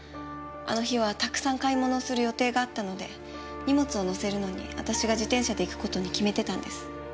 あの日はたくさん買い物をする予定があったので荷物を乗せるのに私が自転車で行く事に決めてたんです。